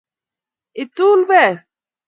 itul beek